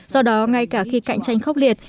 do đó ngay cả khi cạnh tranh khốc liệt